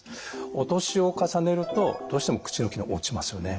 お年を重ねるとどうしても口の機能が落ちますよね。